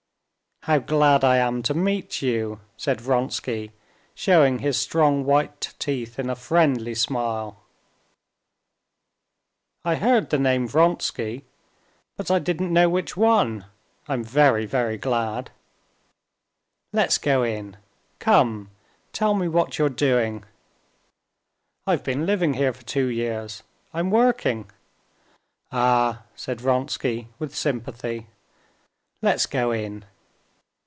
"How glad I am to meet you!" said Vronsky, showing his strong white teeth in a friendly smile. "I heard the name Vronsky, but I didn't know which one. I'm very, very glad!" "Let's go in. Come, tell me what you're doing." "I've been living here for two years. I'm working." "Ah!" said Vronsky, with sympathy; "let's go in."